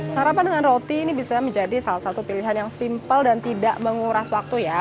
sarapan dengan roti ini bisa menjadi salah satu pilihan yang simpel dan tidak menguras waktu ya